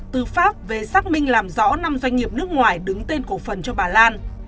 từ pháp về xác minh làm rõ năm doanh nghiệp nước ngoài đứng tên cổ phần cho bà lan